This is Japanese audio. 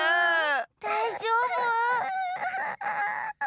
だいじょうぶ？